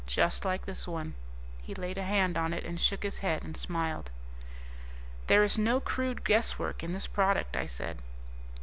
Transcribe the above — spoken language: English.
Just like this one." He laid a hand on it, and shook his head, and smiled. "There is no crude guesswork on this product," I said.